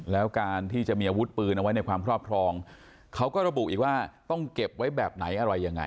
แล้วการที่จะมีอาวุธปืนเอาไว้ในความครอบครองเขาก็ระบุอีกว่าต้องเก็บไว้แบบไหนอะไรยังไง